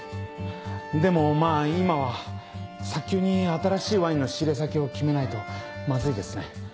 でもまぁ今は早急に新しいワインの仕入れ先を決めないとマズいですね。